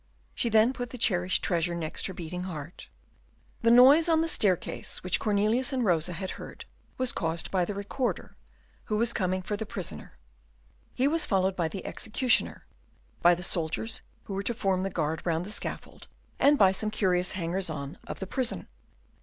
She then put the cherished treasure next her beating heart. The noise on the staircase which Cornelius and Rosa had heard was caused by the Recorder, who was coming for the prisoner. He was followed by the executioner, by the soldiers who were to form the guard round the scaffold, and by some curious hangers on of the prison.